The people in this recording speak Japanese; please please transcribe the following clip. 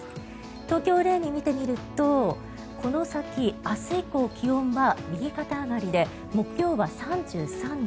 東京を例に見てみるとこの先、明日以降、気温は右肩上がりで木曜は３３度。